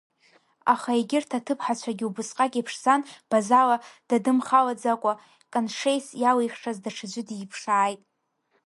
Аха егьырҭ аҭыԥҳацәагьы убысҟак иԥшӡан Базала дадымхалаӡакәа каншеис иалихшаз даҽаӡәы диԥшааит.